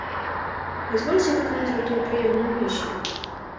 Дазвольце выканаць гэтую прыемную місію.